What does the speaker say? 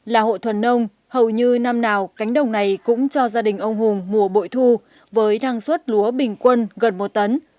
là hội thuần nông hầu như năm nào cánh đồng này cũng cho gia đình ông hùng mùa bội thu với đăng xuất lúa bình quân gần một tấn